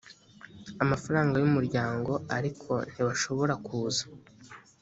amafaranga y umuryango ariko ntibashobora kuza